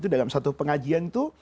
dalam satu pengajian itu